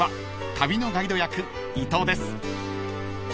旅のガイド役伊藤です］